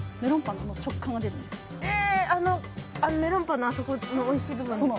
あのメロンパンのあそこのおいしい部分ですよね？